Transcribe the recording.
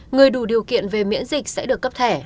người đủ điều kiện về miễn dịch sẽ được cấp thẻ